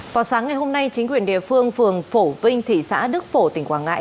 vào sáng ngày hôm nay chính quyền địa phương phường phổ vinh thị xã đức phổ tỉnh quảng ngãi